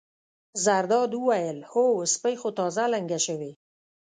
زرداد وویل: هو سپۍ خو تازه لنګه شوې.